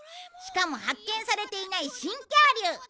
しかも発見されていない新恐竜